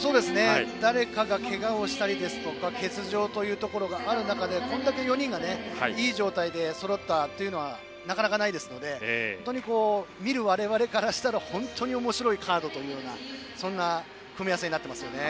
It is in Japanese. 誰かがけがをしたりとか欠場というところがある中でこれだけ４人がいい状態でそろったというのはなかなかないですので見る我々からしたら本当におもしろいカードというそんな組み合わせになってますね。